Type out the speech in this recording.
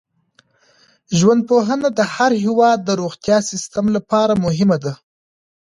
ژوندپوهنه د هر هېواد د روغتیايي سیسټم لپاره مهمه ده.